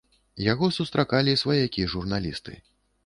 Яго сустракалі сваякі, журналісты.